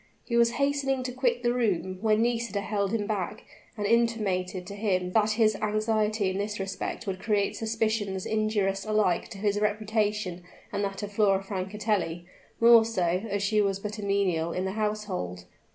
He was hastening to quit the room, when Nisida held him back, and intimated to him that his anxiety in this respect would create suspicions injurious alike to his reputation and that of Flora Francatelli the more so, as she was but a menial in the household.